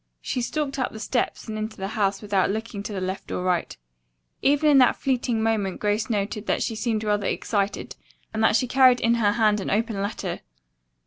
She stalked up the steps and into the house without looking to the right or left. Even in that fleeting moment Grace noted that she seemed rather excited and that she carried in her hand an open letter.